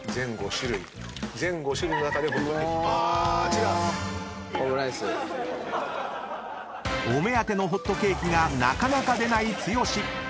違う⁉［お目当てのホットケーキがなかなか出ない剛］